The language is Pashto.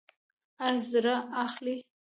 ایا زړه اخلئ؟